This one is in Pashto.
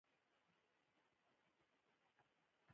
یو کس د بل کس سره کار نه لري.